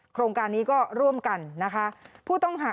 โครงการนี้ก็ร่วมกันนะคะ